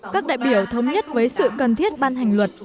các đại biểu thống nhất với sự cần thiết ban hành luật